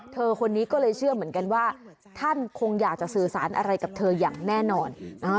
คนนี้ก็เลยเชื่อเหมือนกันว่าท่านคงอยากจะสื่อสารอะไรกับเธออย่างแน่นอน